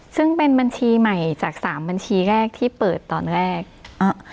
ซึ่งเป็นบัญชีใหม่จากสามบัญชีแรกที่เปิดตอนแรกอ่า